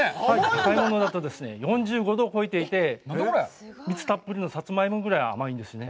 甘いものだと４５度を超えていて、蜜たっぷりのサツマイモぐらい甘いんですね。